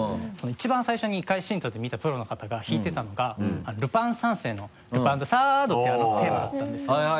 一番最初に「怒り新党」で見たプロの方が弾いてたのが「ルパン三世」の「ルパンザサード」っていうあのテーマだったんですけど。